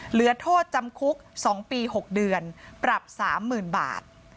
เหลือโทษจำคุก๒ปี๖เดือนปรับ๓๐๐๐บาท